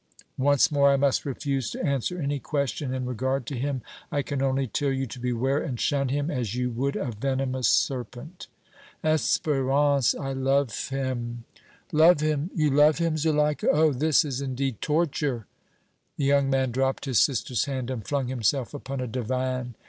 "Once more I must refuse to answer any question in regard to him. I can only tell you to beware and shun him as you would a venomous serpent." "Espérance, I love him!" "Love him! you love him, Zuleika! Oh! this is, indeed, torture!" The young man dropped his sister's hand and flung himself upon a divan.